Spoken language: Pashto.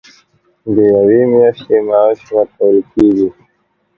د یوې میاشتې معاش ورکول کېږي.